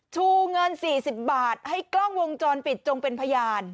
ชูเงิน๔๐บาทให้กล้องวงจรปิดจงเป็นพยาน